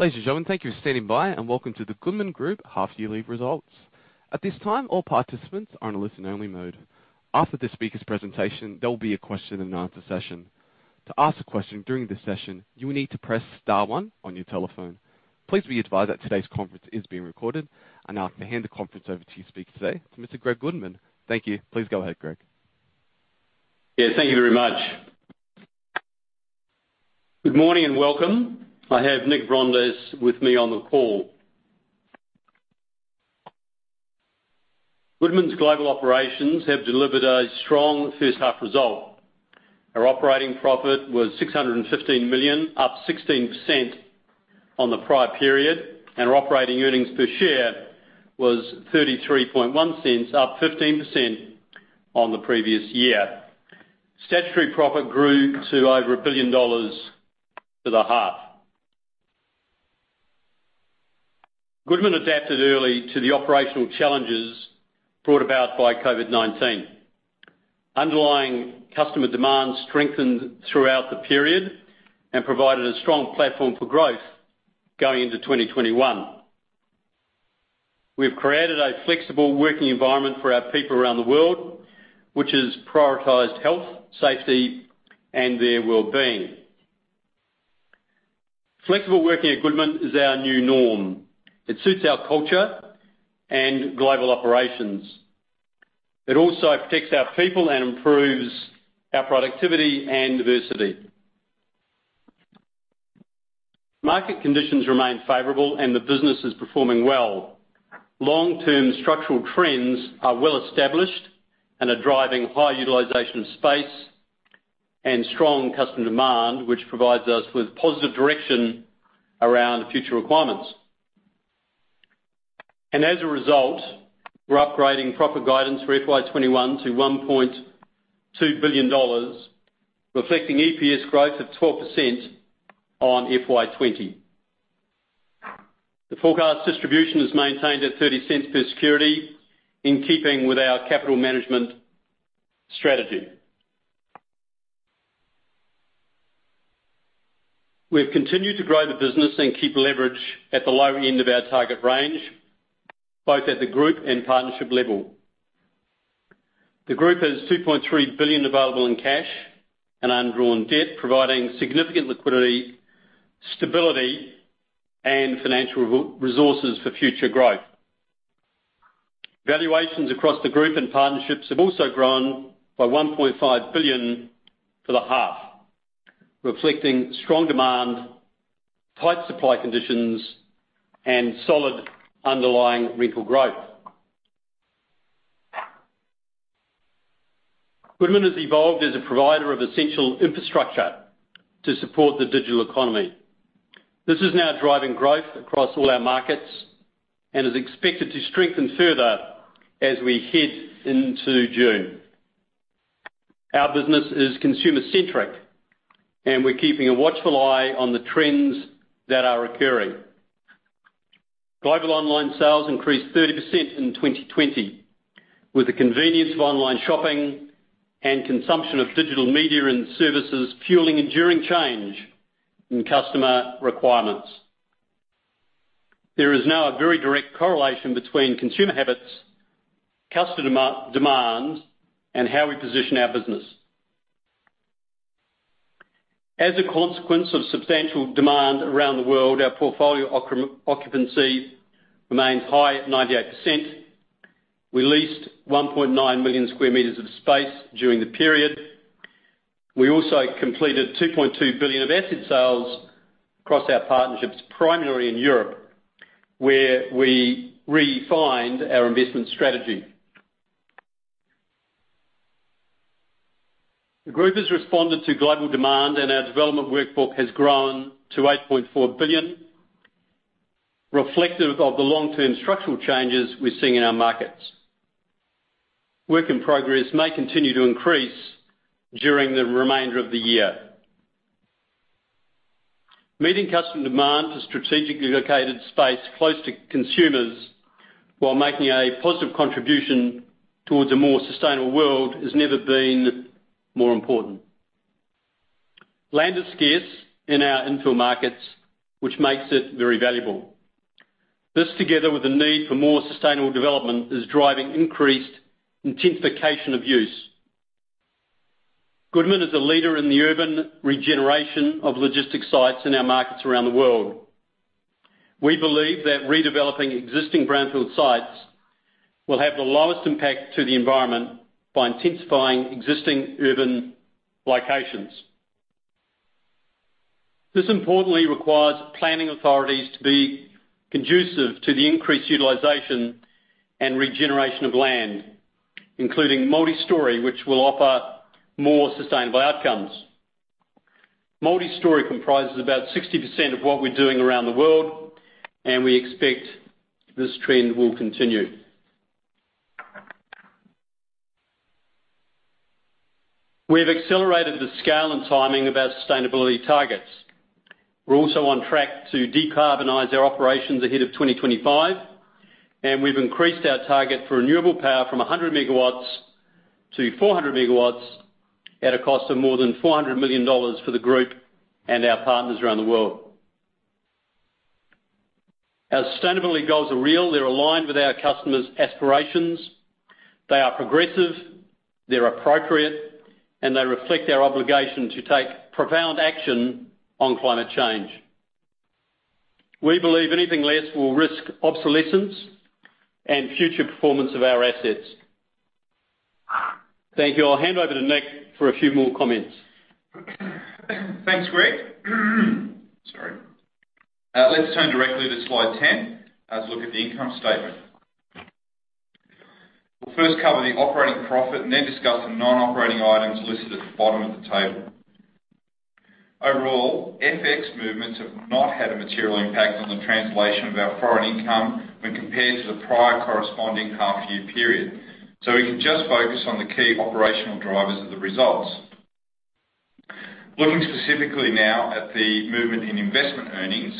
Ladies and gentlemen, thank you for standing by, welcome to the Goodman Group Half-year Results. At this time, all participants are in a listen-only mode. After the speaker's presentation, there will be a question-and-answer session. To ask a question during this session, you will need to press star one on your telephone. Please be advised that today's conference is being recorded. Now I hand the conference over to your speaker today, Mr. Greg Goodman. Thank you. Please go ahead, Greg. Yeah. Thank you very much. Good morning and welcome. I have Nick Vrondas with me on the call. Goodman's global operations have delivered a strong first half result. Our operating profit was 615 million, up 16% on the prior period. Our operating earnings per share was 0.331, up 15% on the previous year. Statutory profit grew to over 1 billion dollars for the half. Goodman adapted early to the operational challenges brought about by COVID-19. Underlying customer demand strengthened throughout the period and provided a strong platform for growth going into 2021. We have created a flexible working environment for our people around the world, which has prioritized health, safety, and their wellbeing. Flexible working at Goodman is our new norm. It suits our culture and global operations. It also protects our people and improves our productivity and diversity. Market conditions remain favorable, the business is performing well. Long-term structural trends are well established and are driving high utilization of space and strong customer demand, which provides us with positive direction around future requirements. As a result, we're upgrading profit guidance for FY 2021 to 1.2 billion dollars, reflecting EPS growth of 12% on FY 2020. The forecast distribution is maintained at 0.30 per security in keeping with our capital management strategy. We have continued to grow the business and keep leverage at the lower end of our target range, both at the group and partnership level. The group has 2.3 billion available in cash and undrawn debt, providing significant liquidity, stability, and financial resources for future growth. Valuations across the group and partnerships have also grown by 1.5 billion for the half, reflecting strong demand, tight supply conditions, and solid underlying rental growth. Goodman has evolved as a provider of essential infrastructure to support the digital economy. This is now driving growth across all our markets and is expected to strengthen further as we head into June. Our business is consumer-centric, and we're keeping a watchful eye on the trends that are occurring. Global online sales increased 30% in 2020, with the convenience of online shopping and consumption of digital media and services fueling enduring change in customer requirements. There is now a very direct correlation between consumer habits, customer demand, and how we position our business. As a consequence of substantial demand around the world, our portfolio occupancy remains high at 98%. We leased 1.9 million sq m of space during the period. We also completed 2.2 billion of asset sales across our partnerships, primarily in Europe, where we refined our investment strategy. The group has responded to global demand, and our development workbook has grown to 8.4 billion, reflective of the long-term structural changes we're seeing in our markets. Work in progress may continue to increase during the remainder of the year. Meeting customer demand for strategically located space close to consumers while making a positive contribution towards a more sustainable world has never been more important. Land is scarce in our infill markets, which makes it very valuable. This, together with the need for more sustainable development, is driving increased intensification of use. Goodman is a leader in the urban regeneration of logistics sites in our markets around the world. We believe that redeveloping existing brownfield sites will have the lowest impact to the environment by intensifying existing urban locations. This importantly requires planning authorities to be conducive to the increased utilization and regeneration of land, including multistory, which will offer more sustainable outcomes. Multistory comprises about 60% of what we're doing around the world, and we expect this trend will continue. We have accelerated the scale and timing of our sustainability targets. We're also on track to decarbonize our operations ahead of 2025, and we've increased our target for renewable power from 100 MW to 400 MW at a cost of more than 400 million dollars for the group and our partners around the world. Our sustainability goals are real. They're aligned with our customers' aspirations. They are progressive, they're appropriate, and they reflect our obligation to take profound action on climate change. We believe anything less will risk obsolescence and future performance of our assets. Thank you. I'll hand over to Nick for a few more comments. Thanks, Greg. Sorry. Let's turn directly to slide 10 as we look at the income statement. We'll first cover the operating profit and then discuss the non-operating items listed at the bottom of the table. Overall, FX movements have not had a material impact on the translation of our foreign income when compared to the prior corresponding half-year period. We can just focus on the key operational drivers of the results. Looking specifically now at the movement in investment earnings,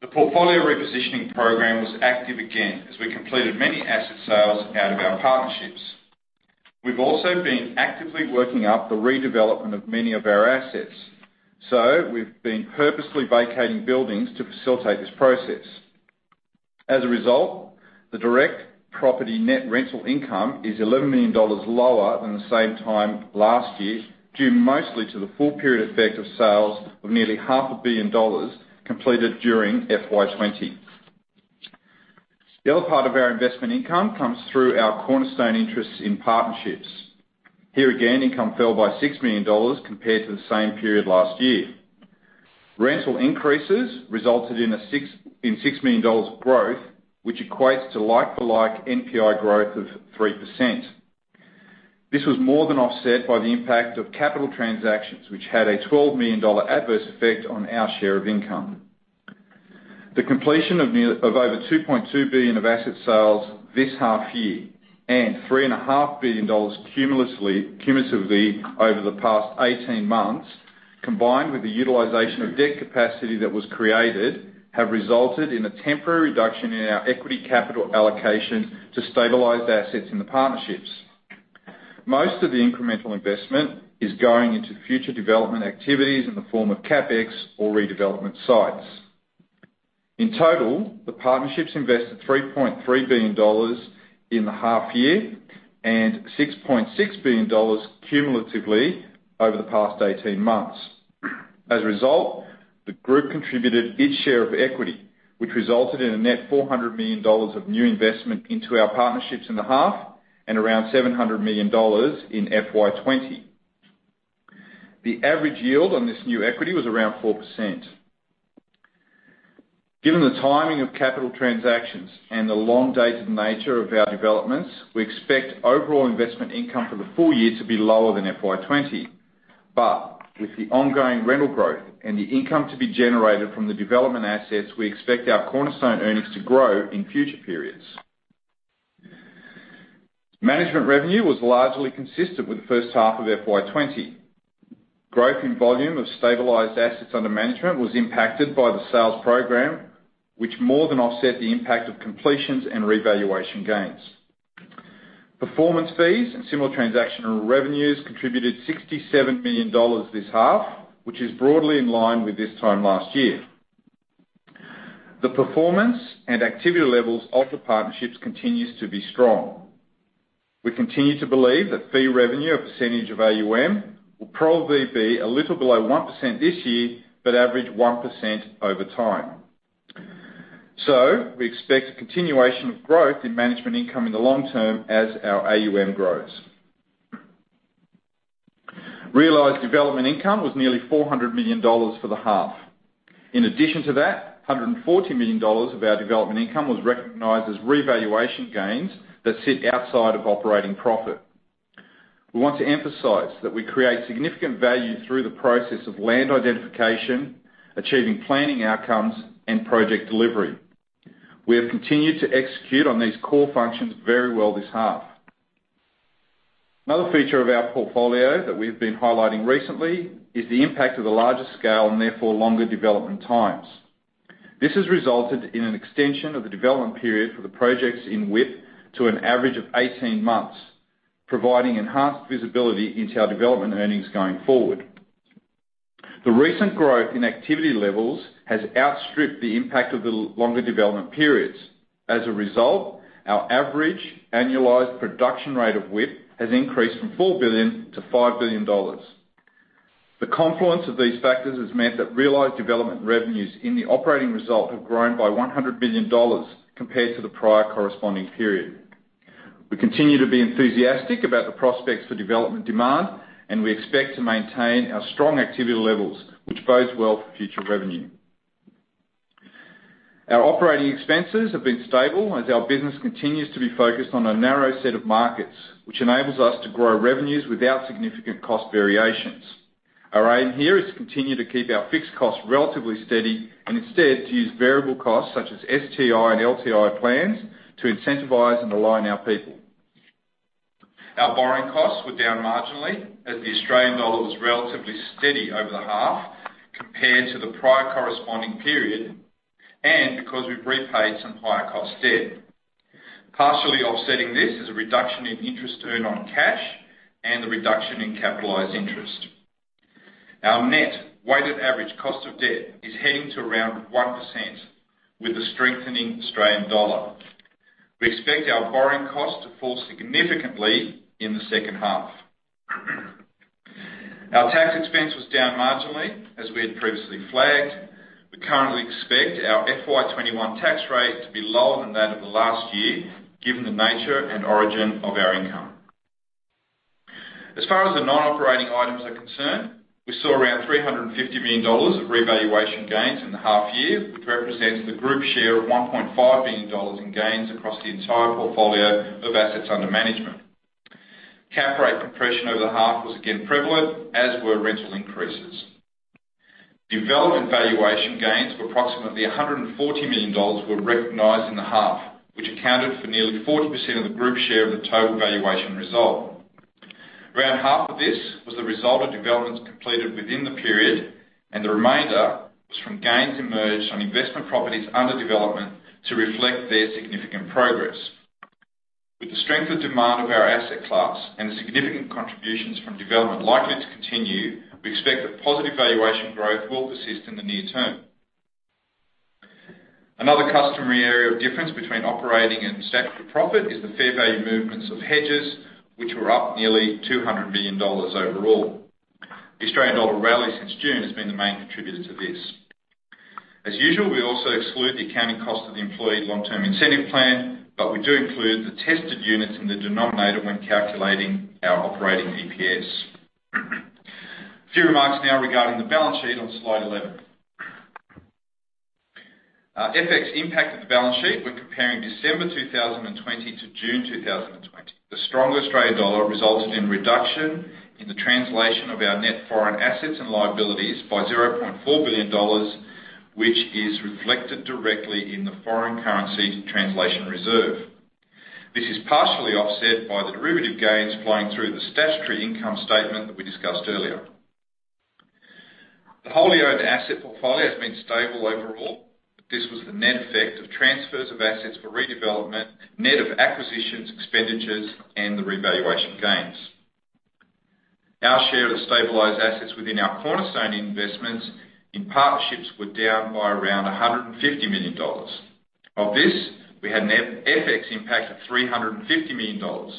the portfolio repositioning program was active again as we completed many asset sales out of our partnerships. We've also been actively working up the redevelopment of many of our assets. We've been purposely vacating buildings to facilitate this process. As a result, the direct property net rental income is 11 million dollars lower than the same time last year, due mostly to the full period effect of sales of nearly 500 million dollars completed during FY 2020. The other part of our investment income comes through our cornerstone interests in partnerships. Here again, income fell by 6 million dollars compared to the same period last year. Rental increases resulted in 6 million dollars growth, which equates to like-for-like NPI growth of 3%. This was more than offset by the impact of capital transactions, which had an 12 million dollar adverse effect on our share of income. The completion of over 2.2 billion of asset sales this half year and 3.5 billion dollars cumulatively over the past 18 months, combined with the utilization of debt capacity that was created, have resulted in a temporary reduction in our equity capital allocation to stabilized assets in the partnerships. Most of the incremental investment is going into future development activities in the form of CapEx or redevelopment sites. In total, the partnerships invested 3.3 billion dollars in the half year and 6.6 billion dollars cumulatively over the past 18 months. As a result, the group contributed its share of equity, which resulted in a net 400 million dollars of new investment into our partnerships in the half and around 700 million dollars in FY 2020. The average yield on this new equity was around 4%. Given the timing of capital transactions and the long-dated nature of our developments, we expect overall investment income for the full year to be lower than FY 2020. With the ongoing rental growth and the income to be generated from the development assets, we expect our cornerstone earnings to grow in future periods. Management revenue was largely consistent with the first half of FY 2020. Growth in volume of stabilized assets under management was impacted by the sales program, which more than offset the impact of completions and revaluation gains. Performance fees and similar transactional revenues contributed 67 million dollars this half, which is broadly in line with this time last year. The performance and activity levels of the partnerships continues to be strong. We continue to believe that fee revenue, a percentage of AUM, will probably be a little below 1% this year, but average 1% over time. We expect a continuation of growth in management income in the long term as our AUM grows. Realized development income was nearly 400 million dollars for the half. In addition to that, 140 million dollars of our development income was recognized as revaluation gains that sit outside of operating profit. We want to emphasize that we create significant value through the process of land identification, achieving planning outcomes, and project delivery. We have continued to execute on these core functions very well this half. Another feature of our portfolio that we've been highlighting recently is the impact of the larger scale and therefore longer development times. This has resulted in an extension of the development period for the projects in WIP to an average of 18 months, providing enhanced visibility into our development earnings going forward. The recent growth in activity levels has outstripped the impact of the longer development periods. As a result, our average annualized production rate of WIP has increased from 4 billion to 5 billion dollars. The confluence of these factors has meant that realized development revenues in the operating result have grown by 100 million dollars compared to the prior corresponding period. We continue to be enthusiastic about the prospects for development demand, and we expect to maintain our strong activity levels, which bodes well for future revenue. Our operating expenses have been stable as our business continues to be focused on a narrow set of markets, which enables us to grow revenues without significant cost variations. Our aim here is to continue to keep our fixed costs relatively steady and instead to use variable costs such as STI and LTI plans to incentivize and align our people. Our borrowing costs were down marginally as the Australian dollar was relatively steady over the half compared to the prior corresponding period. Because we've repaid some higher cost debt. Partially offsetting this is a reduction in interest earned on cash and the reduction in capitalized interest. Our net weighted average cost of debt is heading to around 1% with the strengthening Australian dollar. We expect our borrowing cost to fall significantly in the second half. Our tax expense was down marginally as we had previously flagged. We currently expect our FY 2021 tax rate to be lower than that of the last year, given the nature and origin of our income. As far as the non-operating items are concerned, we saw around AUD 350 million of revaluation gains in the half year, which represents the group share of AUD 1.5 billion in gains across the entire portfolio of assets under management. Cap rate compression over the half was again prevalent, as were rental increases. Development valuation gains of approximately 140 million dollars were recognized in the half, which accounted for nearly 40% of the group share of the total valuation result. Around half of this was the result of developments completed within the period, and the remainder was from gains emerged on investment properties under development to reflect their significant progress. With the strength of demand of our asset class and the significant contributions from development likely to continue, we expect that positive valuation growth will persist in the near term. Another customary area of difference between operating and statutory profit is the fair value movements of hedges, which were up nearly 200 million dollars overall. The Australian dollar rally since June has been the main contributor to this. As usual, we also exclude the accounting cost of the employee long-term incentive plan. We do include the tested units in the denominator when calculating our operating EPS. A few remarks now regarding the balance sheet on slide 11. FX impact of the balance sheet, we're comparing December 2020 to June 2020. The strong Australian dollar resulted in a reduction in the translation of our net foreign assets and liabilities by 0.4 billion dollars, which is reflected directly in the foreign currency translation reserve. This is partially offset by the derivative gains flowing through the statutory income statement that we discussed earlier. The wholly owned asset portfolio has been stable overall. This was the net effect of transfers of assets for redevelopment, net of acquisitions, expenditures, and the revaluation gains. Our share of the stabilized assets within our cornerstone investments in partnerships were down by around 150 million dollars. Of this, we had an FX impact of 350 million dollars.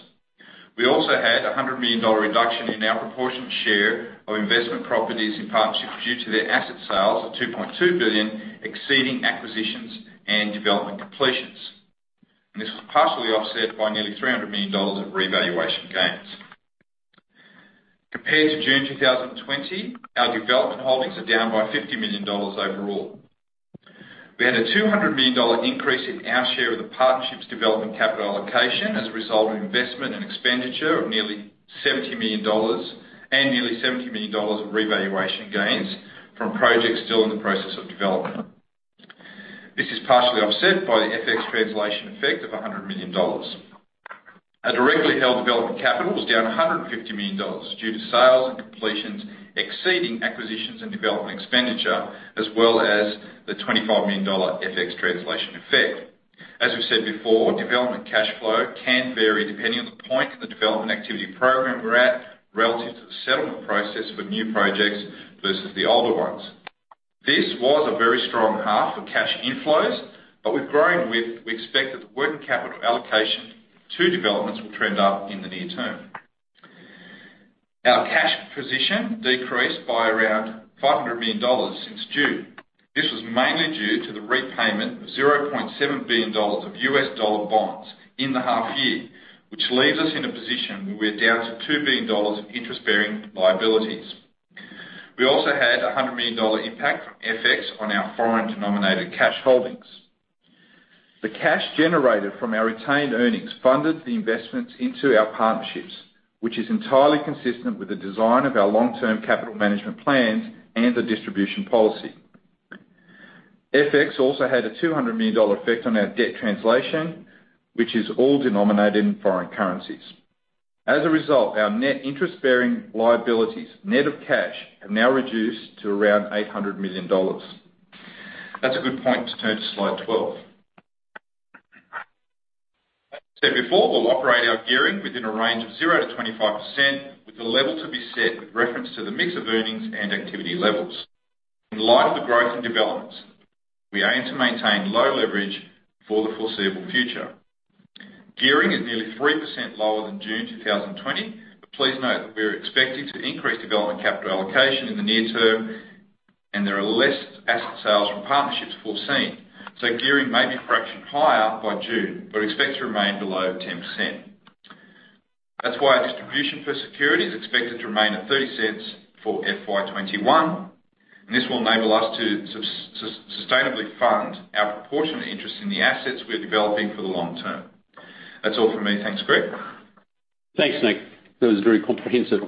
We also had 100 million dollar reduction in our proportionate share of investment properties in partnerships due to their asset sales of AUD 2.2 billion, exceeding acquisitions and development completions. This was partially offset by nearly 300 million dollars of revaluation gains. Compared to June 2020, our development holdings are down by 50 million dollars overall. We had a 200 million dollar increase in our share of the partnerships development capital allocation as a result of investment and expenditure of nearly 70 million dollars and nearly 70 million dollars of revaluation gains from projects still in the process of development. This is partially offset by the FX translation effect of 100 million dollars. Our directly held development capital was down 150 million dollars due to sales and completions exceeding acquisitions and development expenditure, as well as the AUD 25 million FX translation effect. As we've said before, development cash flow can vary depending on the point in the development activity program we're at, relative to the settlement process for new projects versus the older ones. This was a very strong half for cash inflows. We expect that the working capital allocation to developments will trend up in the near term. Our cash position decreased by around 500 million dollars since June. This was mainly due to the repayment of $0.7 billion of U.S. dollar bonds in the half year, which leaves us in a position where we're down to 2 billion dollars of interest-bearing liabilities. We also had 100 million dollar impact from FX on our foreign-denominated cash holdings. The cash generated from our retained earnings funded the investments into our partnerships, which is entirely consistent with the design of our long-term capital management plans and the distribution policy. FX also had a 200 million dollar effect on our debt translation, which is all denominated in foreign currencies. Our net interest-bearing liabilities, net of cash, have now reduced to around 800 million dollars. That's a good point to turn to slide 12. As I said before, we'll operate our gearing within a range of 0%-25% with the level to be set with reference to the mix of earnings and activity levels. In light of the growth and developments, we aim to maintain low leverage for the foreseeable future. Gearing is nearly 3% lower than June 2020, please note that we're expecting to increase development capital allocation in the near term and there are less asset sales from partnerships foreseen. Gearing may be a fraction higher by June, expected to remain below 10%. That's why our distribution per security is expected to remain at 0.30 for FY 2021, this will enable us to sustainably fund our proportionate interest in the assets we are developing for the long term. That's all from me. Thanks, Greg. Thanks, Nick. That was very comprehensive.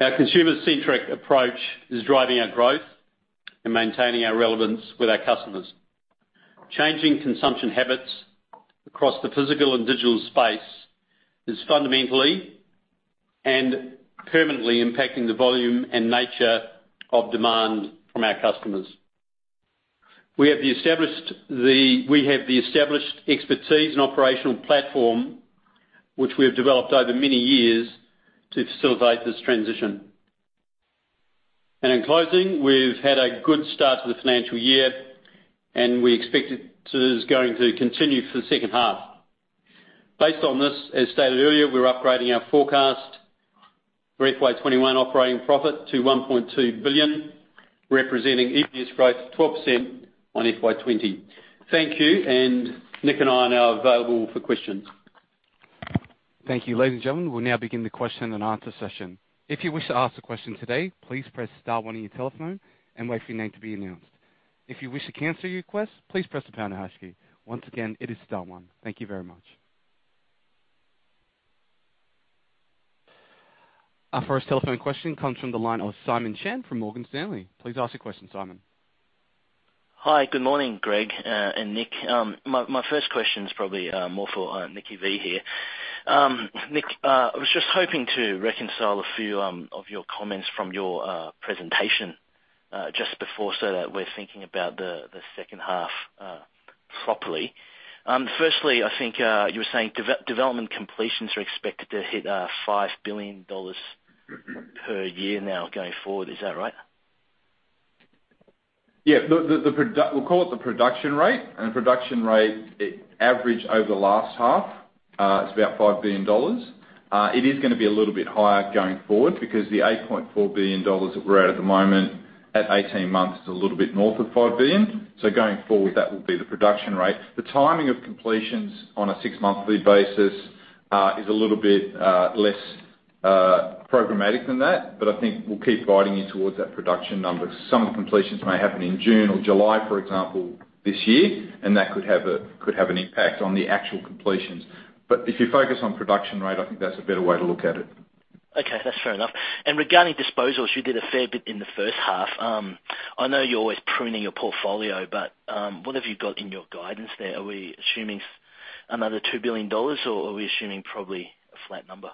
Our consumer-centric approach is driving our growth and maintaining our relevance with our customers. Changing consumption habits across the physical and digital space is fundamentally and permanently impacting the volume and nature of demand from our customers. We have the established expertise and operational platform, which we have developed over many years to facilitate this transition. In closing, we've had a good start to the financial year, and we expect it is going to continue for the second half. Based on this, as stated earlier, we're upgrading our forecast for FY 2021 operating profit to 1.2 billion, representing EPS growth 12% on FY 2020. Thank you. Nick and I are now available for questions. Thank you. Ladies and gentlemen, we will now begin the question-and-answer session. If you wish to ask a question today, please press star one on your telephone and wait for your name to be announced. If you wish to cancel your request, please press the pound hash key. Once again, it is star one. Thank you very much. Our first telephone question comes from the line of Simon Chan from Morgan Stanley. Please ask your question, Simon. Hi. Good morning, Greg, and Nick. My first question is probably more for Nick V. here. Nick, I was just hoping to reconcile a few of your comments from your presentation just before, so that we're thinking about the second half properly. Firstly, I think you were saying development completions are expected to hit 5 billion dollars per year now going forward. Is that right? Yeah. We'll call it the production rate. The production rate average over the last half-year, it's about 5 billion dollars. It is going to be a little bit higher going forward because the 8.4 billion dollars that we're at at the moment at 18 months is a little bit north of 5 billion. Going forward, that will be the production rate. The timing of completions on a six-monthly basis is a little bit less programmatic than that, but I think we'll keep guiding you towards that production number. Some completions may happen in June or July, for example, this year, and that could have an impact on the actual completions. If you focus on production rate, I think that's a better way to look at it. Okay. That's fair enough. Regarding disposals, you did a fair bit in the first half. I know you're always pruning your portfolio, but what have you got in your guidance there? Are we assuming another 2 billion dollars, or are we assuming probably a flat number?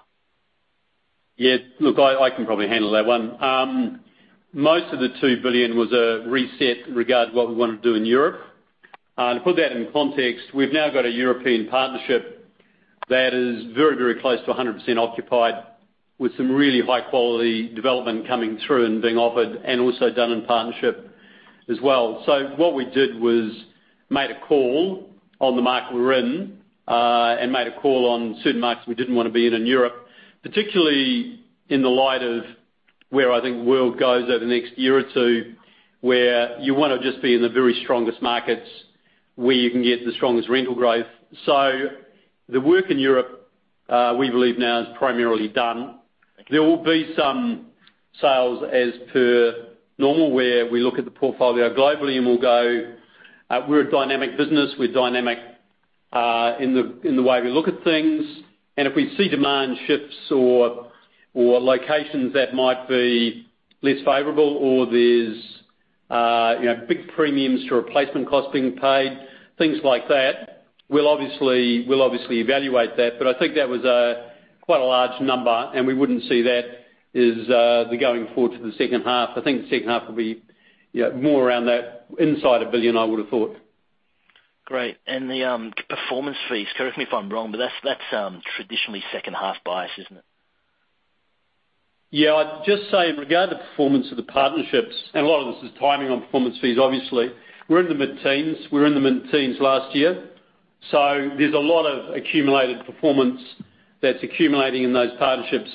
Yeah. Look, I can probably handle that one. Most of the 2 billion was a reset regard what we wanted to do in Europe. To put that in context, we've now got a European partnership that is very, very close to 100% occupied, with some really high-quality development coming through and being offered, and also done in partnership as well. What we did was made a call on the market we're in, and made a call on certain markets we didn't want to be in in Europe, particularly in the light of where I think the world goes over the next year or two, where you wanna just be in the very strongest markets where you can get the strongest rental growth. The work in Europe, we believe now is primarily done. There will be some sales as per normal, where we look at the portfolio globally, and we'll go, "We're a dynamic business. We're dynamic in the way we look at things." If we see demand shifts or locations that might be less favorable or there's big premiums to replacement costs being paid, things like that, we'll obviously evaluate that. I think that was quite a large number, and we wouldn't see that as the going forward to the second half. I think the second half will be more around that inside 1 billion, I would've thought. Great. The performance fees, correct me if I'm wrong, but that's traditionally second half biased, isn't it? I'd just say in regard to performance of the partnerships, and a lot of this is timing on performance fees, obviously. We're in the mid-teens. We're in the mid-teens last year. There's a lot of accumulated performance that's accumulating in those partnerships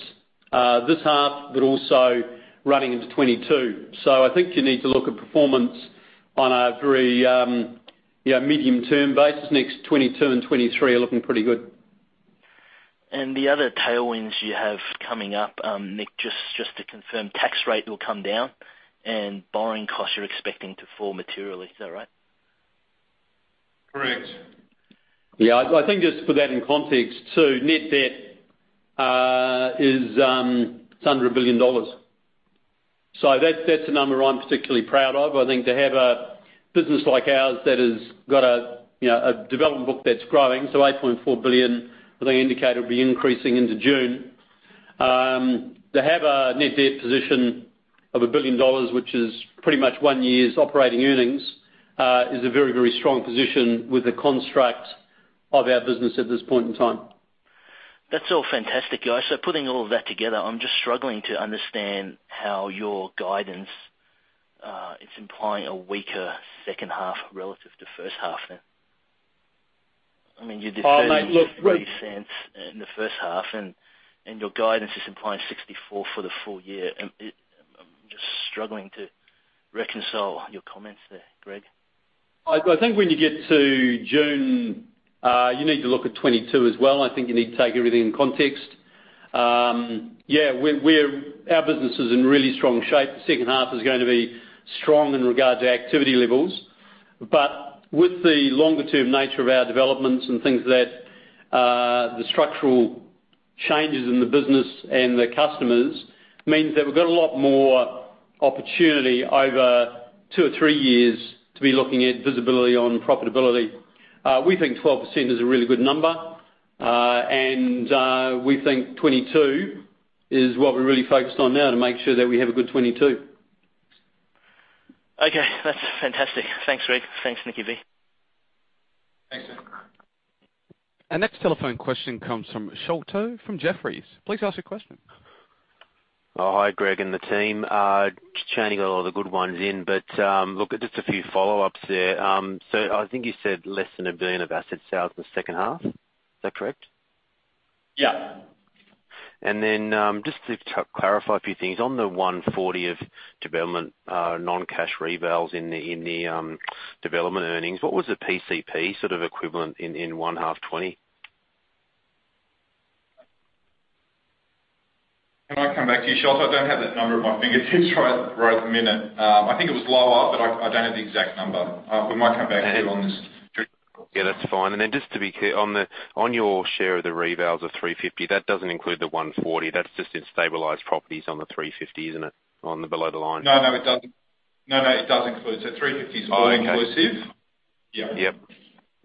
this half, but also running into 2022. I think you need to look at performance on a very medium-term basis. Next 2022 and 2023 are looking pretty good. The other tailwinds you have coming up, Nick, just to confirm, tax rate will come down and borrowing costs you're expecting to fall materially. Is that right? Correct. I think just to put that in context, too, net debt is under 1 billion dollars. That's a number I'm particularly proud of. I think to have a business like ours that has got a development WIP that's growing, 8.4 billion I think indicated will be increasing into June. To have a net debt position of 1 billion dollars, which is pretty much one year's operating earnings, is a very, very strong position with the construct of our business at this point in time. That's all fantastic, guys. Putting all of that together, I'm just struggling to understand how your guidance, it's implying a weaker second half relative to first half 33 cents in the first half and your guidance is implying 0.64 for the full year. I'm just struggling to reconcile your comments there, Greg. I think when you get to June, you need to look at FY 2022 as well. I think you need to take everything in context. Yeah. Our business is in really strong shape. The second half is going to be strong in regards to activity levels. With the longer-term nature of our developments and things of that, the structural changes in the business and the customers means that we've got a lot more opportunity over two or three years to be looking at visibility on profitability. We think 12% is a really good number, and we think FY 2022 is what we're really focused on now to make sure that we have a good FY 2022. Okay, that's fantastic. Thanks, Nick. Thanks, Gregory. Thanks. Our next telephone question comes from Sholto from Jefferies. Please ask your question. Oh, hi, Greg and the team. Chan got a lot of the good ones in, but look, just a few follow-ups there. I think you said less than 1 billion of asset sales in the second half. Is that correct? Yeah. Just to clarify a few things, on the 140 of development non-cash revals in the development earnings, what was the PCP equivalent in one half 2020? Can I come back to you, Sholto? I don't have that number at my fingertips right at the minute. I think it was lower, but I don't have the exact number. We might come back to you on this. Yeah, that's fine. Just to be clear, on your share of the revals of 350, that doesn't include the 140. That's just in stabilized properties on the 350, isn't it? On the below the line. No, it does include, 350 is all-inclusive. Yeah. Yep.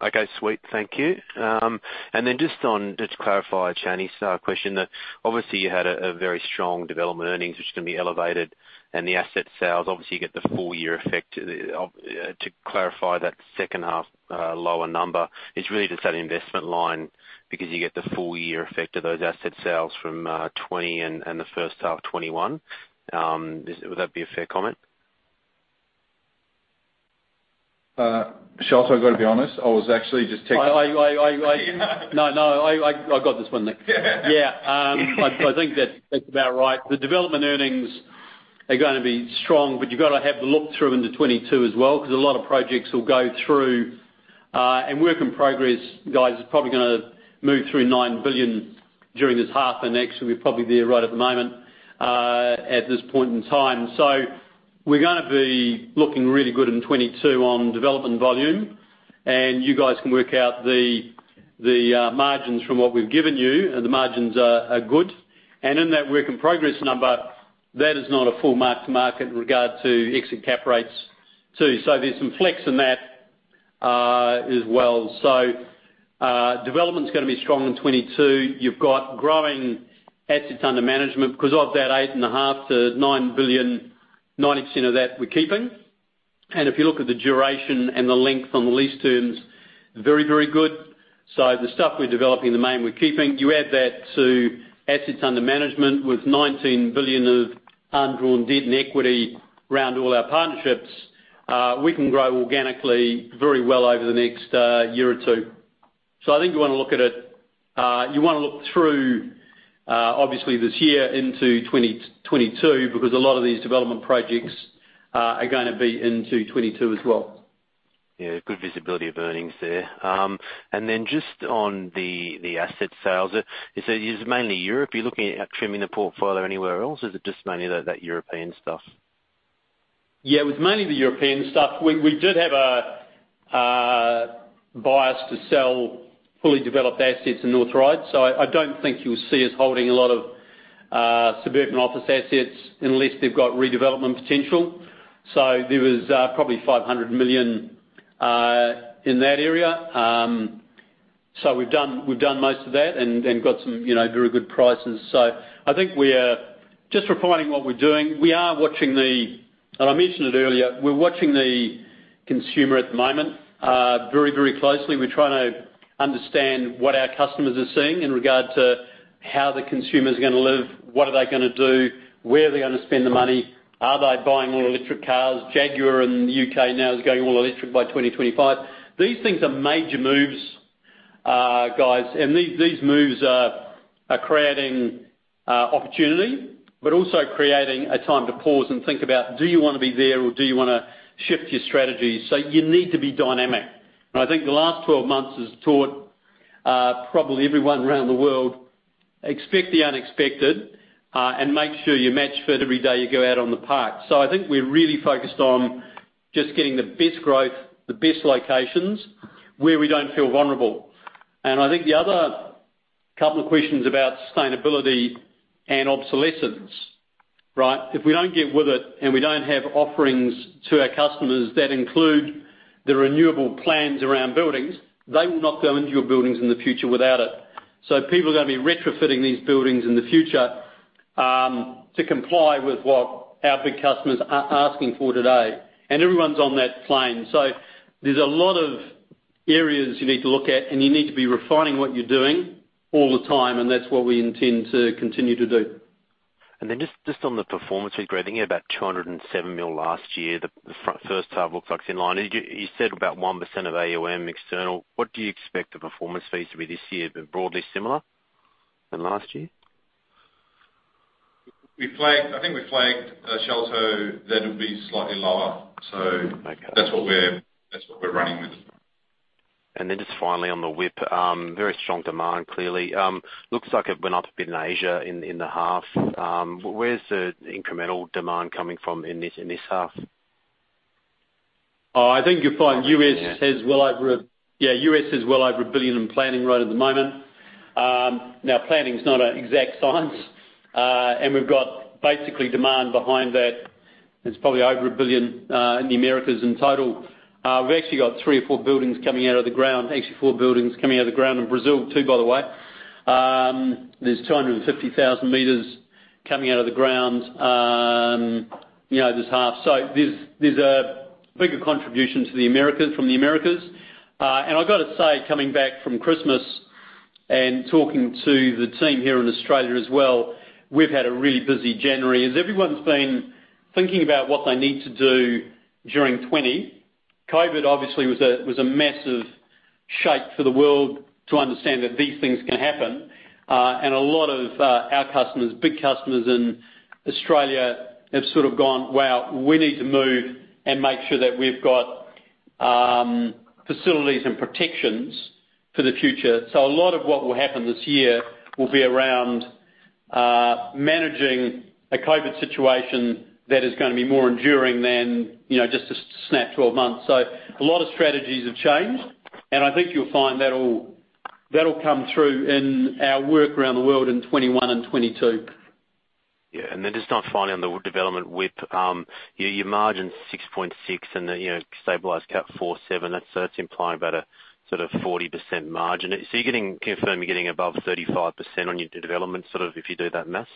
Okay, sweet. Thank you. Then just to clarify Chan's question, obviously you had a very strong development earnings, which is going to be elevated and the asset sales, obviously, you get the full year effect. To clarify that second half lower number is really just that investment line because you get the full year effect of those asset sales from 2020 and the first half of 2021. Would that be a fair comment? Sholto, I've got to be honest, No, I got this one, Nick. I think that's about right. The development earnings are going to be strong, you've got to have a look through into 2022 as well, because a lot of projects will go through. Work in Progress, guys, is probably going to move through 9 billion during this half and actually we're probably there right at the moment, at this point in time. We're going to be looking really good in 2022 on development volume. You guys can work out the margins from what we've given you, and the margins are good. In that Work in Progress number, that is not a full mark to market in regard to exit cap rates, too. There's some flex in that as well. Development's going to be strong in 2022. You've got growing Assets Under Management because of that 8.5 billion-9 billion, 90% of that we're keeping. If you look at the duration and the length on the lease terms, very, very good. The stuff we're developing in the main, we're keeping. You add that to assets under management with 19 billion of undrawn debt and equity around all our partnerships, we can grow organically very well over the next year or two. I think you want to look through, obviously this year into 2022, because a lot of these development projects are going to be into 2022 as well. Yeah. Good visibility of earnings there. Just on the asset sales, is it mainly Europe? Are you looking at trimming the portfolio anywhere else? Is it just mainly that European stuff? Yeah, it was mainly the European stuff. We did have a bias to sell fully developed assets in North Ryde. I don't think you'll see us holding a lot of suburban office assets unless they've got redevelopment potential. There was probably 500 million in that area. We've done most of that and got some very good prices. I think we are just refining what we're doing. We are watching, and I mentioned it earlier, we're watching the consumer at the moment very, very closely. We're trying to understand what our customers are seeing in regard to how the consumer's going to live, what are they going to do, where are they going to spend the money? Are they buying all electric cars? Jaguar in the U.K. now is going all electric by 2025. These things are major moves, guys, and these moves are creating opportunity, but also creating a time to pause and think about, do you want to be there or do you want to shift your strategy? You need to be dynamic. I think the last 12 months has taught probably everyone around the world, expect the unexpected, and make sure you match fit every day you go out on the park. I think we're really focused on just getting the best growth, the best locations where we don't feel vulnerable. I think the other couple of questions about sustainability and obsolescence, right? If we don't get with it and we don't have offerings to our customers that include the renewable plans around buildings, they will not go into your buildings in the future without it. People are going to be retrofitting these buildings in the future, to comply with what our big customers are asking for today. Everyone's on that plane. There's a lot of areas you need to look at, and you need to be refining what you're doing all the time, and that's what we intend to continue to do. Just on the performance fee, Greg, I think you had about 207 million last year. The first half looks like it's in line. You said about 1% of AUM external. What do you expect the performance fees to be this year? Broadly similar than last year? I think we flagged, Sholto, that it'd be slightly lower. Okay. That's what we're running with. Just finally on the WIP, very strong demand clearly. Looks like it went up a bit in Asia in the half. Where's the incremental demand coming from in this half? I think you'll find U.S. has well over 1 billion in planning right at the moment. Planning is not an exact science, we've got basically demand behind that is probably over 1 billion in the Americas in total. We've actually got three or four buildings coming out of the ground. Four buildings coming out of the ground in Brazil, too, by the way. There's 250,000 meters coming out of the ground this half. There's a bigger contribution from the Americas. I've got to say, coming back from Christmas and talking to the team here in Australia as well, we've had a really busy January, as everyone's been thinking about what they need to do during 2020. COVID, obviously, was a massive shake for the world to understand that these things can happen. A lot of our customers, big customers in Australia, have gone, "Wow, we need to move and make sure that we've got facilities and protections for the future." A lot of what will happen this year will be around managing a COVID situation that is going to be more enduring than just a snap 12 months. A lot of strategies have changed, and I think you'll find that'll come through in our work around the world in 2021 and 2022. Yeah. Just finally on the development WIP. Your margin's 6.6 and the stabilized cap 4.7. That's implying about a 40% margin. Do you confirm you're getting above 35% on your development if you do that math?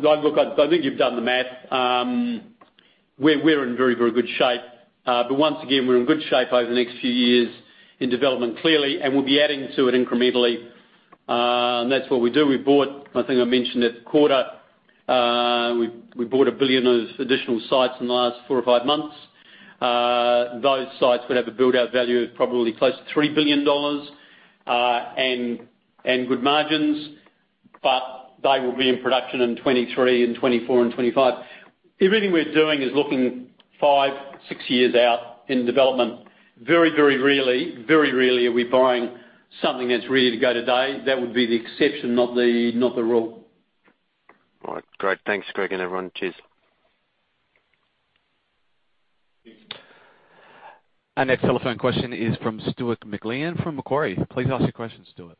Look, I think you've done the math. We're in very, very good shape. Once again, we're in good shape over the next few years in development, clearly, and we'll be adding to it incrementally. That's what we do. We bought, I think I mentioned at the quarter, we bought 1 billion of additional sites in the last four or five months. Those sites would have a build-out value of probably close to 3 billion dollars, and good margins, but they will be in production in 2023 and 2024 and 2025. Everything we're doing is looking five, six years out in development. Very, very rarely are we buying something that's ready to go today. That would be the exception, not the rule. All right. Great. Thanks, Greg and everyone. Cheers. Our next telephone question is from Stuart McLean from Macquarie. Please ask your question, Stuart.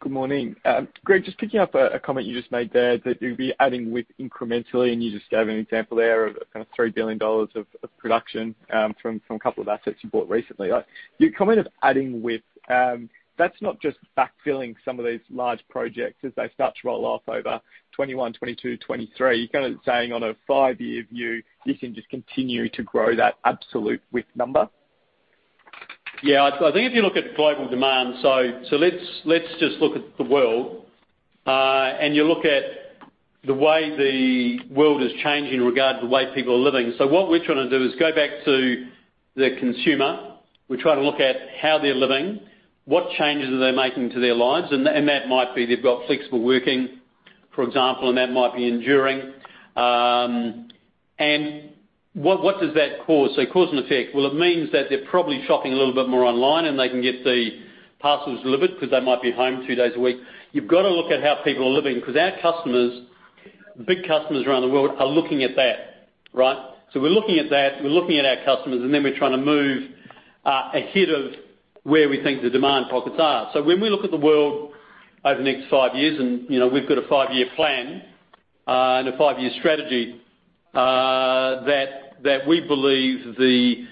Good morning. Greg, just picking up a comment you just made there that you'll be adding WIP incrementally, and you just gave an example there of 3 billion dollars of production from a couple of assets you bought recently. Your comment of adding WIP, that's not just backfilling some of these large projects as they start to roll off over 2021, 2022, 2023. You're saying on a five-year view, you can just continue to grow that absolute WIP number? Yeah. I think if you look at global demand, let's just look at the world, and you look at the way the world is changing in regard to the way people are living. What we're trying to do is go back to the consumer. We're trying to look at how they're living, what changes are they making to their lives, and that might be they've got flexible working, for example, and that might be enduring. What does that cause? Cause and effect. Well, it means that they're probably shopping a little bit more online, and they can get the parcels delivered because they might be home two days a week. You've got to look at how people are living, because our customers, big customers around the world, are looking at that, right? We're looking at that, we're looking at our customers, and then we're trying to move ahead of where we think the demand pockets are. When we look at the world over the next five years, and we've got a five-year plan and a five-year strategy, that we believe the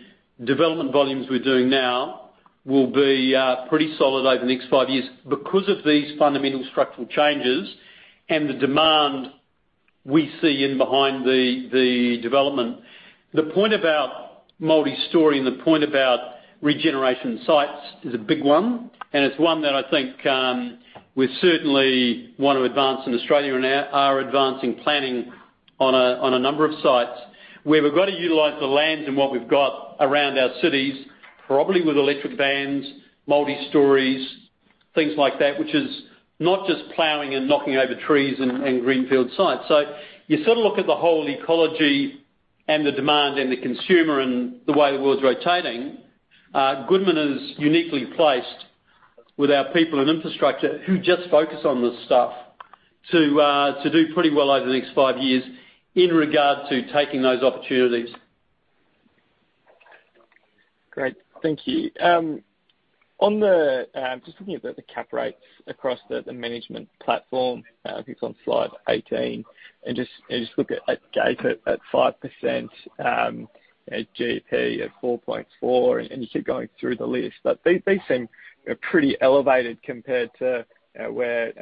development volumes we're doing now will be pretty solid over the next five years because of these fundamental structural changes and the demand we see in behind the development. The point about multistory and the point about regeneration sites is a big one, and it's one that I think we certainly want to advance in Australia and are advancing planning on a number of sites, where we've got to utilize the lands and what we've got around our cities, probably with electric vans, multistories, things like that, which is not just plowing and knocking over trees and greenfield sites. You look at the whole ecology and the demand and the consumer and the way the world's rotating. Goodman is uniquely placed with our people and infrastructure who just focus on this stuff to do pretty well over the next five years in regard to taking those opportunities. Great. Thank you. Just looking at the cap rates across the management platform, I think it's on slide 18. Just look at GAIP at 5%, at GP at 4.4%, and you keep going through the list. These seem pretty elevated compared to where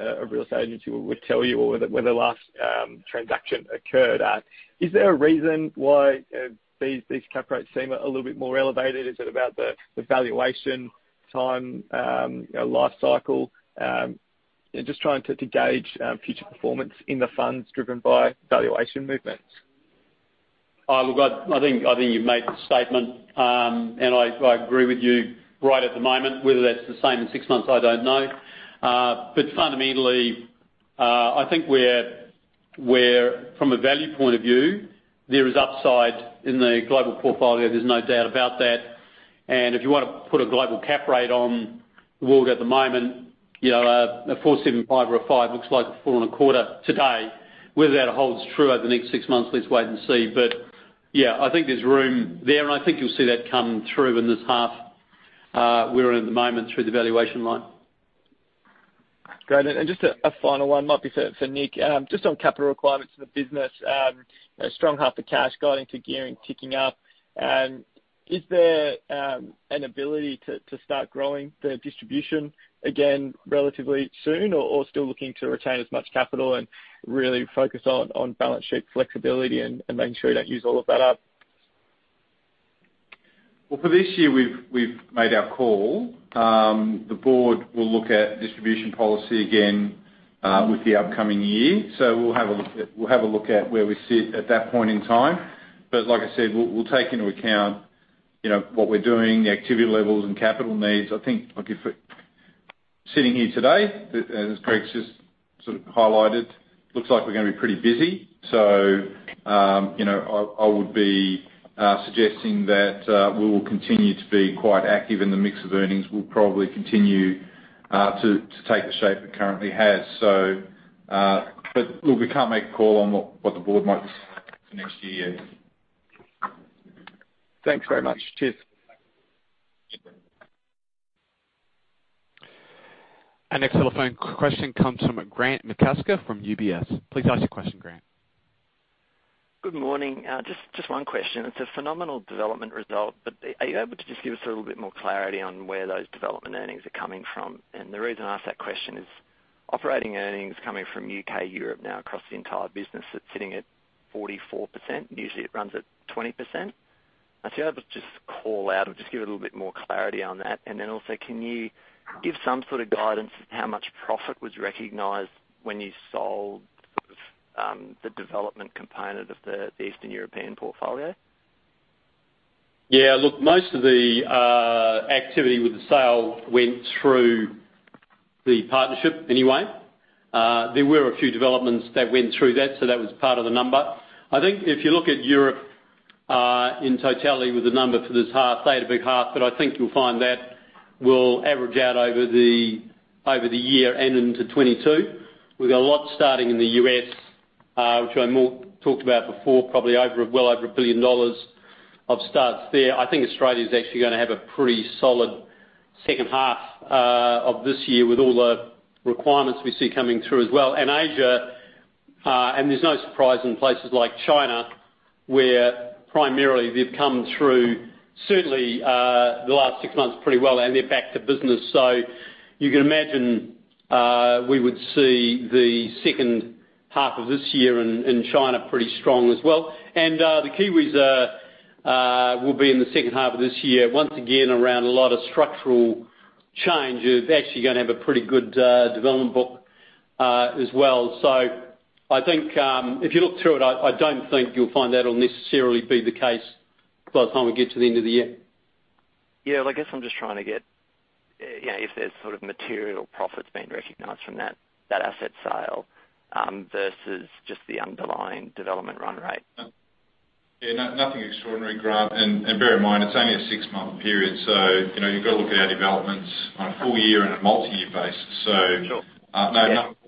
a real estate agency would tell you or where the last transaction occurred at. Is there a reason why these cap rates seem a little bit more elevated? Is it about the valuation time life cycle? Just trying to gauge future performance in the funds driven by valuation movements. Look, I think you've made the statement, and I agree with you right at the moment. Whether that's the same in six months, I don't know. Fundamentally, I think from a value point of view, there is upside in the global portfolio. There's no doubt about that. If you want to put a global cap rate on the world at the moment, a 475 or a five looks like a four and a quarter today. Whether that holds true over the next six months, let's wait and see. Yeah, I think there's room there, and I think you'll see that come through in this half. We're in at the moment through the valuation line. Great. Just a final one, might be for Nick. Just on capital requirements for the business. A strong half of cash guiding to gearing, ticking up. Is there an ability to start growing the distribution again relatively soon, or still looking to retain as much capital and really focus on balance sheet flexibility and making sure you don't use all of that up? For this year, we've made our call. The board will look at distribution policy again with the upcoming year. We'll have a look at where we sit at that point in time. Like I said, we'll take into account what we're doing, the activity levels, and capital needs. I think, sitting here today, as Greg's just sort of highlighted, looks like we're going to be pretty busy. I would be suggesting that we will continue to be quite active in the mix of earnings. We'll probably continue to take the shape it currently has. Look, we can't make a call on what the board might decide for next year yet. Thanks very much. Cheers. Our next telephone question comes from Grant McCasker from UBS. Please ask your question, Grant. Good morning. Just one question. It's a phenomenal development result, are you able to just give us a little bit more clarity on where those development earnings are coming from? The reason I ask that question is operating earnings coming from U.K., Europe now across the entire business, it's sitting at 44%. Usually it runs at 20%. Are you able to just call out or just give it a little bit more clarity on that. Also, can you give some sort of guidance on how much profit was recognized when you sold the development component of the Eastern European portfolio? Yeah, look, most of the activity with the sale went through the partnership anyway. There were a few developments that went through that, so that was part of the number. I think if you look at Europe in totality with the number for this half, they had a big half, but I think you'll find that will average out over the year and into 2022. We've got a lot starting in the U.S. which I more talked about before, probably well over $1 billion of starts there. I think Australia is actually going to have a pretty solid second half of this year with all the requirements we see coming through as well. Asia, and there's no surprise in places like China, where primarily they've come through certainly the last six months pretty well, and they're back to business. You can imagine we would see the second half of this year in China pretty strong as well. The Kiwis will be in the second half of this year, once again around a lot of structural change. They're actually going to have a pretty good development book as well. I think if you look through it, I don't think you'll find that'll necessarily be the case by the time we get to the end of the year. Yeah, well, I guess I'm just trying to get if there's material profits being recognized from that asset sale versus just the underlying development run rate? Yeah, nothing extraordinary, Grant. Bear in mind, it's only a six-month period. You've got to look at our developments on a full year and a multi-year basis. Sure. No,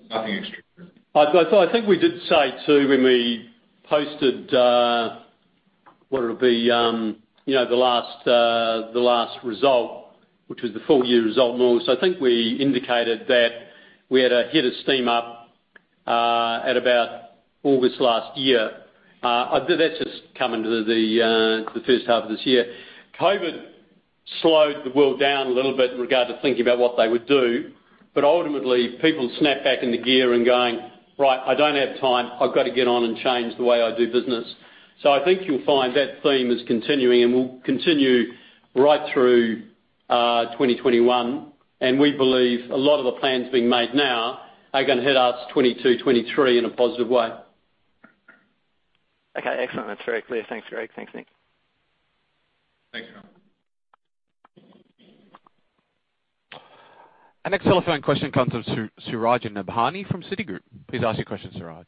nothing extraordinary. I think we did say, too, when we posted the last result, which was the full-year result, and also I think we indicated that we had a head of steam up at about August last year. That's just come into the first half of this year. COVID slowed the world down a little bit in regard to thinking about what they would do, but ultimately people snap back into gear and going, "Right, I don't have time. I've got to get on and change the way I do business." I think you'll find that theme is continuing, and will continue right through 2021. We believe a lot of the plans being made now are going to hit us 2022, 2023 in a positive way. Okay, excellent. That's very clear. Thanks, Greg. Thanks, Nick. Thanks. Our next telephone question comes from Suraj Nebhani from Citigroup. Please ask your question, Suraj.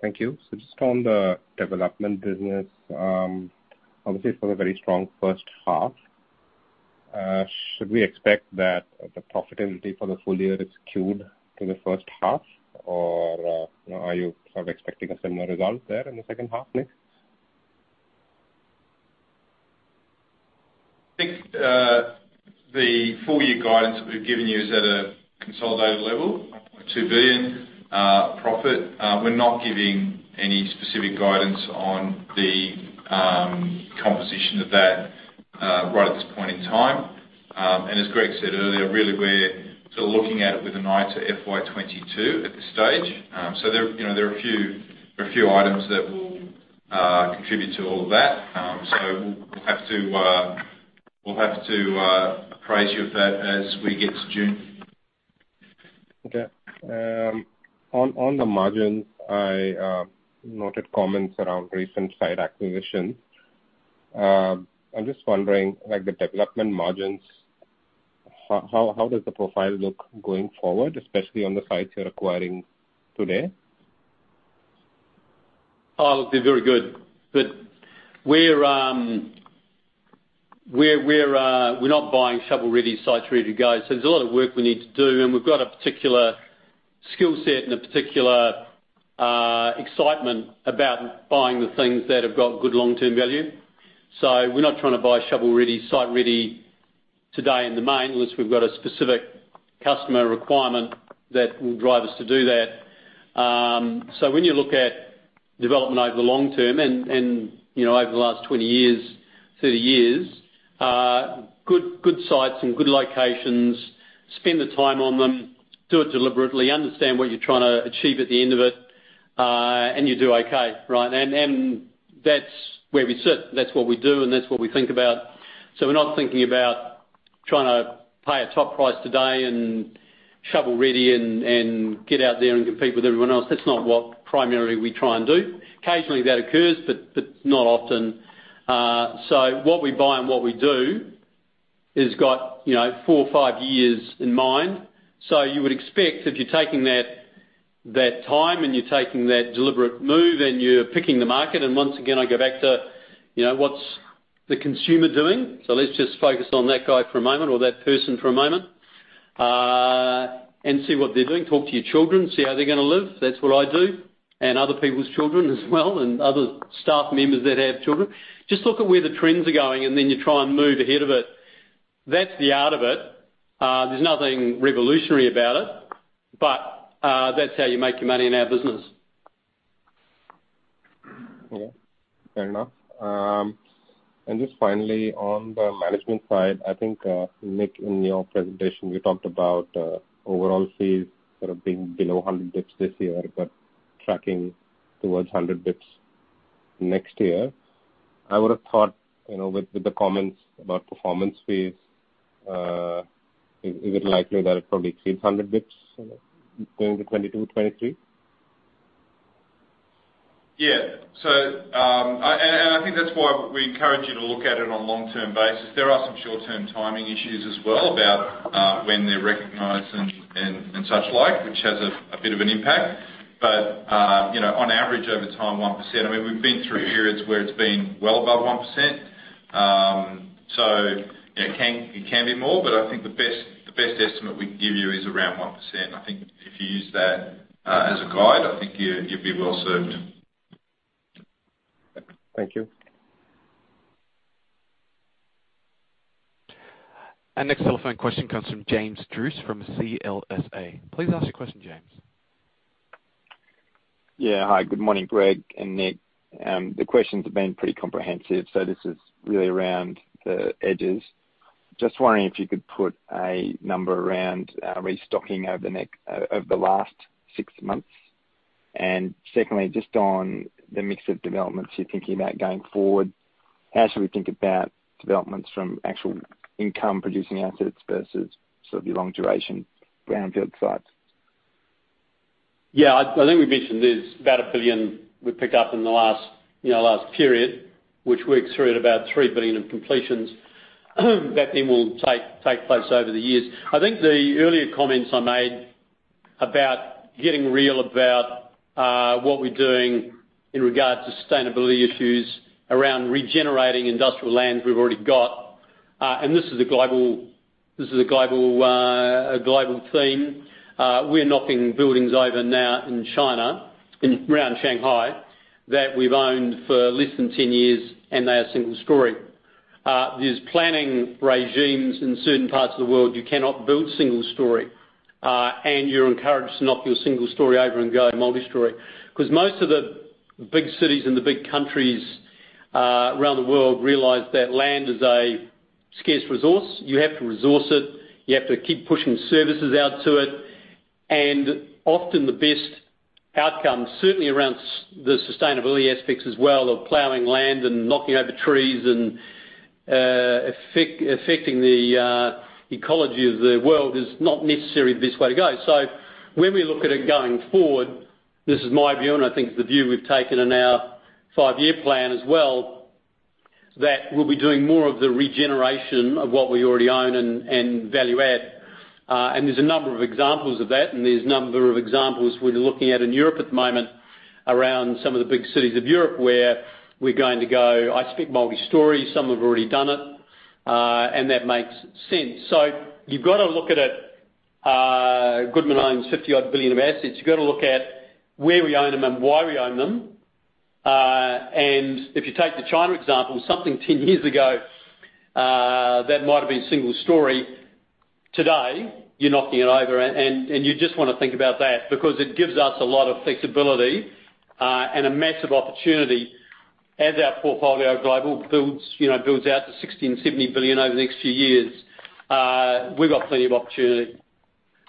Thank you. Just on the development business, obviously it's been a very strong first half. Should we expect that the profitability for the full year is skewed to the first half, or are you expecting a similar result there in the second half, Nick? I think the full-year guidance that we've given you is at a consolidated level, 2 billion profit. We're not giving any specific guidance on the composition of that right at this point in time. As Greg said earlier, really we're still looking at it with an eye to FY 2022 at this stage. There are a few items that will contribute to all of that. We'll have to apprise you of that as we get to June. Okay. On the margins, I noted comments around recent site acquisition. I'm just wondering, like the development margins, how does the profile look going forward, especially on the sites you're acquiring today? Oh, they're very good. We're not buying shovel-ready, site-ready to go, so there's a lot of work we need to do, and we've got a particular skill set and a particular excitement about buying the things that have got good long-term value. We're not trying to buy shovel-ready, site-ready today in the main unless we've got a specific customer requirement that will drive us to do that. When you look at development over the long term and over the last 20 years, 30 years, good sites and good locations, spend the time on them, do it deliberately, understand what you're trying to achieve at the end of it, and you do okay. Right? That's where we sit. That's what we do, and that's what we think about. We're not thinking about trying to pay a top price today and shovel-ready and get out there and compete with everyone else. That's not what primarily we try and do. Occasionally that occurs, but not often. What we buy and what we do has got four or five years in mind. You would expect if you're taking that time, and you're taking that deliberate move, and you're picking the market, and once again, I go back to what's the consumer doing? Let's just focus on that guy for a moment or that person for a moment, and see what they're doing. Talk to your children, see how they're going to live. That's what I do, and other people's children as well, and other staff members that have children. Just look at where the trends are going, and then you try and move ahead of it. That's the art of it. There's nothing revolutionary about it. That's how you make your money in our business. Yeah. Fair enough. Just finally, on the management side, I think, Nick, in your presentation, you talked about overall fees sort of being below 100 bps this year but tracking towards 100 bps next year. I would have thought with the comments about performance fees, is it likely that it probably exceeds 100 bps going to 2022, 2023? Yeah. I think that's why we encourage you to look at it on a long-term basis. There are some short-term timing issues as well about when they're recognized and such like, which has a bit of an impact. On average, over time, 1%. We've been through periods where it's been well above 1%, so it can be more, but I think the best estimate we can give you is around 1%. I think if you use that as a guide, I think you'd be well-served. Thank you. Our next telephone question comes from James Druce from CLSA. Please ask your question, James. Yeah. Hi. Good morning, Greg and Nick. The questions have been pretty comprehensive, so this is really around the edges. Just wondering if you could put a number around restocking over the last six months. Secondly, just on the mix of developments you're thinking about going forward, how should we think about developments from actual income-producing assets versus sort of your long-duration brownfield sites? Yeah, I think we mentioned there's about 1 billion we picked up in the last period, which works through at about 3 billion in completions. That then will take place over the years. I think the earlier comments I made about getting real about what we're doing in regards to sustainability issues around regenerating industrial lands we've already got, and this is a global theme. We are knocking buildings over now in China, around Shanghai, that we've owned for less than 10 years, and they are single story. There are planning regimes in certain parts of the world, you cannot build single story, and you're encouraged to knock your single story over and go multistory. Most of the big cities and the big countries around the world realize that land is a scarce resource. You have to resource it. You have to keep pushing services out to it. Often the best outcome, certainly around the sustainability aspects as well, of plowing land and knocking over trees and affecting the ecology of the world is not necessarily the best way to go. When we look at it going forward, this is my view, and I think it's the view we've taken in our five-year plan as well, that we'll be doing more of the regeneration of what we already own and value add. There's a number of examples of that, and there's a number of examples we're looking at in Europe at the moment around some of the big cities of Europe where we're going to go, "I speak multistory." Some have already done it, and that makes sense. You've got to look at it. Goodman owns 50-odd billion of assets. You've got to look at where we own them and why we own them. If you take the China example, something 10 years ago that might have been single story, today you're knocking it over, and you just want to think about that because it gives us a lot of flexibility and a massive opportunity as our portfolio global builds out to 60 billion and 70 billion over the next few years. We've got plenty of opportunity.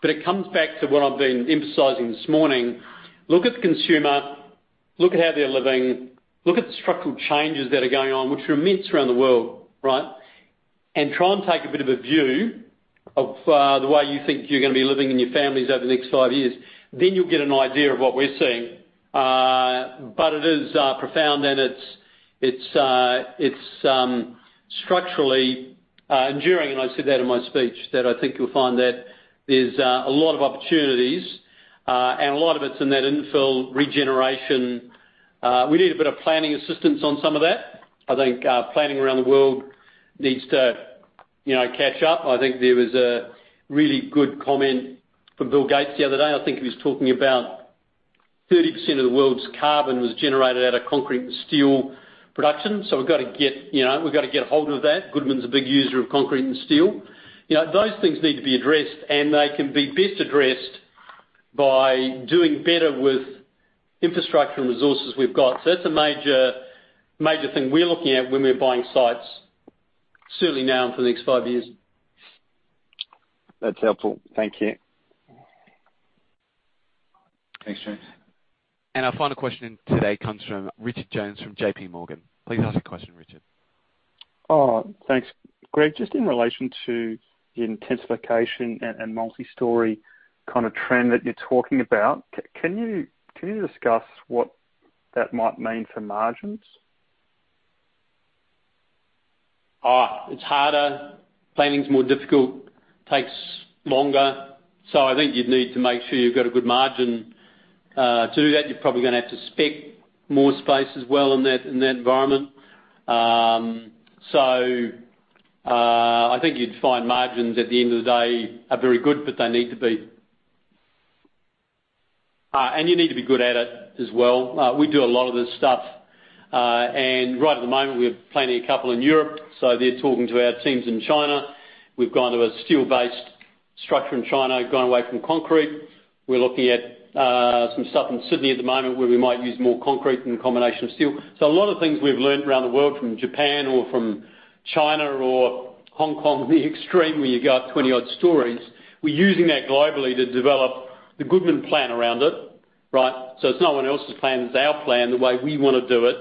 It comes back to what I've been emphasizing this morning. Look at the consumer, look at how they're living, look at the structural changes that are going on, which are immense around the world, right? Try and take a bit of a view of the way you think you're going to be living and your families over the next five years. You'll get an idea of what we're seeing. It is profound and it's structurally enduring, and I said that in my speech, that I think you'll find that there's a lot of opportunities, and a lot of it's in that infill regeneration. We need a bit of planning assistance on some of that. I think planning around the world needs to catch up. I think there was a really good comment from Bill Gates the other day. I think he was talking about 30% of the world's carbon was generated out of concrete and steel production. We've got to get a hold of that. Goodman's a big user of concrete and steel. Those things need to be addressed, and they can be best addressed by doing better with infrastructure and resources we've got. That's a major thing we're looking at when we're buying sites, certainly now and for the next five years. That's helpful. Thank you. Thanks, James. Our final question today comes from Rich Jones from J.P. Morgan. Please ask your question, Richard. Thanks. Greg, just in relation to the intensification and multistory trend that you're talking about, can you discuss what that might mean for margins? It's harder. Planning's more difficult, takes longer. I think you'd need to make sure you've got a good margin. To do that, you're probably going to have to spec more space as well in that environment. I think you'd find margins at the end of the day are very good, but they need to be. You need to be good at it as well. We do a lot of this stuff. Right at the moment we're planning a couple in Europe, so they're talking to our teams in China. We've gone to a steel-based structure in China, gone away from concrete. We're looking at some stuff in Sydney at the moment where we might use more concrete in combination with steel. A lot of things we've learned around the world from Japan or from China or Hong Kong, the extreme, where you've got 20-odd stories. We're using that globally to develop the Goodman plan around it. It's no one else's plan, it's our plan, the way we want to do it,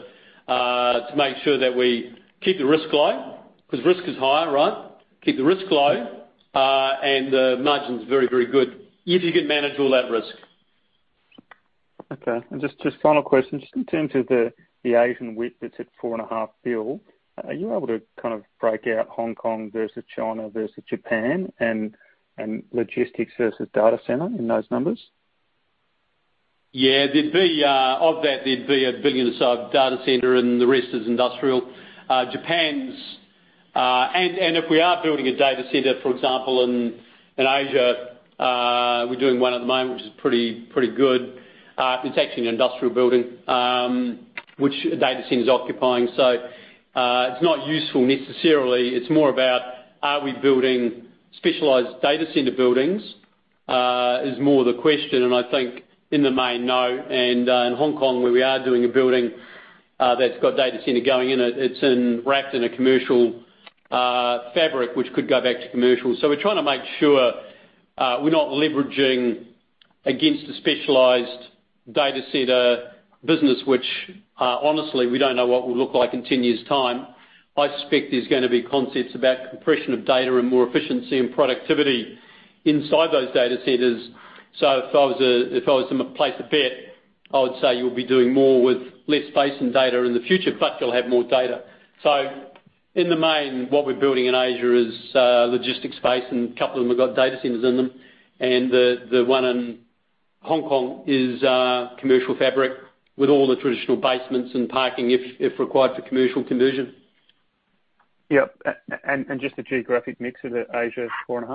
to make sure that we keep the risk low, because risk is high, right? Keep the risk low, the margin's very, very good if you can manage all that risk. Okay. Just final question, just in terms of the Asian WIP that's at four and a half billion, are you able to break out Hong Kong versus China versus Japan and logistics versus data center in those numbers? Yeah. Of that, there'd be 1 billion or so of data center and the rest is industrial. If we are building a data center, for example, in Asia, we're doing one at the moment, which is pretty good. It's actually an industrial building, which a data center is occupying. It's not useful necessarily. It's more about are we building specialized data center buildings? Is more the question, and I think in the main, no. In Hong Kong where we are doing a building that's got data center going in it's wrapped in a commercial fabric which could go back to commercial. We're trying to make sure we're not leveraging against a specialized data center business, which honestly, we don't know what will look like in 10 years' time. I suspect there's going to be concepts about compression of data and more efficiency and productivity inside those data centers. If I was to place a bet, I would say you'll be doing more with less space and data in the future, but you'll have more data. In the main, what we're building in Asia is logistics space, and a couple of them have got data centers in them. The one in Hong Kong is commercial fabric with all the traditional basements and parking if required for commercial conversion. Yep. Just the geographic mix of the Asia is four and a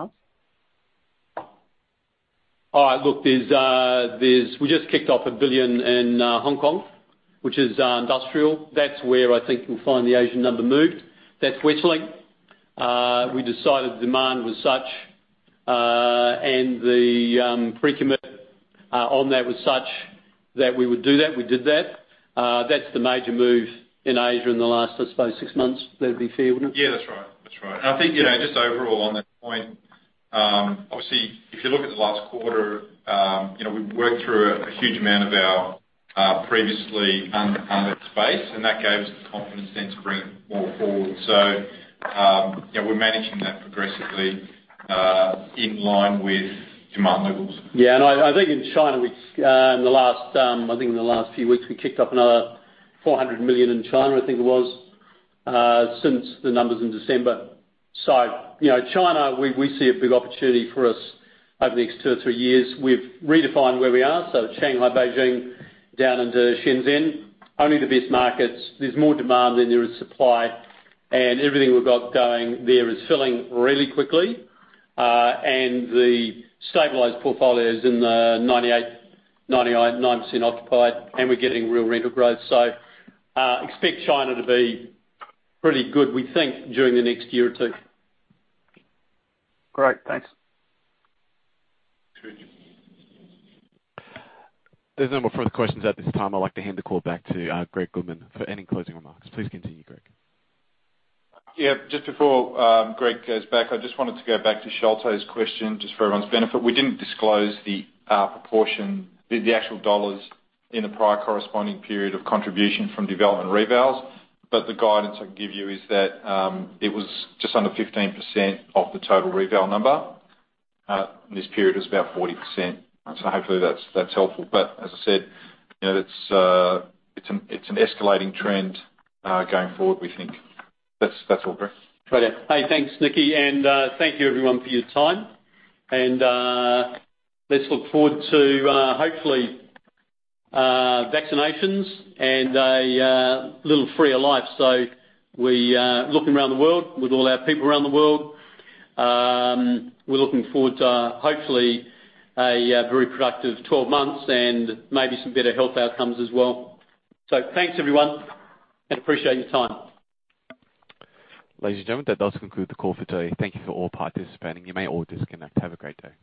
half? Look, we just kicked off 1 billion in Hong Kong, which is industrial. That's where I think you'll find the Asian number moved. That's Westlink. We decided the demand was such, and the pre-commit on that was such that we would do that. We did that. That's the major move in Asia in the last, I suppose, six months. That'd be fair, wouldn't it? Yeah, that's right. That's right. I think, just overall on that point, obviously, if you look at the last quarter, we've worked through a huge amount of our previously unlet space, and that gave us the confidence to bring more forward. We're managing that progressively, in line with demand levels. I think in China, in the last few weeks, we kicked off another 400 million in China, I think it was, since the numbers in December. China, we see a big opportunity for us over the next two or three years. We've redefined where we are. Shanghai, Beijing, down into Shenzhen. Only the best markets. There's more demand than there is supply, and everything we've got going there is filling really quickly. The stabilized portfolio is in the 99% occupied, and we're getting real rental growth. Expect China to be pretty good, we think, during the next year or two. Great. Thanks. Sure. There's no more further questions at this time. I'd like to hand the call back to Gregory Goodman for any closing remarks. Please continue, Greg. Yeah. Just before Greg goes back, I just wanted to go back to Sholto's question, just for everyone's benefit. We didn't disclose the proportion, the actual dollars in the prior corresponding period of contribution from development revals, but the guidance I can give you is that it was just under 15% of the total reval number. This period was about 40%. Hopefully that's helpful. As I said, it's an escalating trend going forward, we think. That's all, Greg. Okay. Hey, thanks, Nick, and thank you everyone for your time. Let's look forward to, hopefully, vaccinations and a little freer life. We, looking around the world with all our people around the world, we're looking forward to hopefully a very productive 12 months and maybe some better health outcomes as well. Thanks, everyone, and appreciate your time. Ladies and gentlemen, that does conclude the call for today. Thank you for all participating. You may all disconnect. Have a great day.